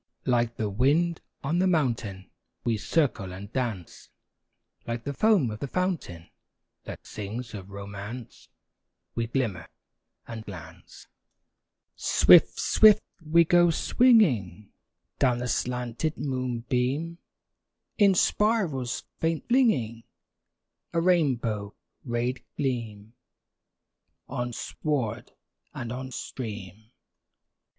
Like the wind on the mountain, We circle and dance; Like the foam of the fountain, That sings of romance, We glimmer and glance. Swift, swift we go swinging Down the slanted moonbeam, In spirals faint flinging A rainbow rayed gleam On sward and on stream.